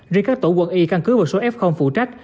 riêng các tổ quân y căn cứ vào số f phụ trách